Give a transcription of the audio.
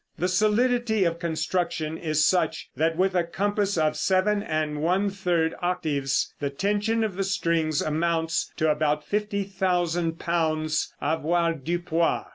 The solidity of construction is such that with a compass of seven and one third octaves the tension of the strings amounts to about 50,000 pounds avoirdupois.